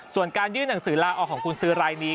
ส่วนการยื่นหนังสือลาออกของกุญซื้อรายนี้